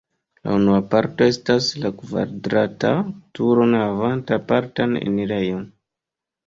La unua parto estas la kvadrata turo havanta apartan enirejon.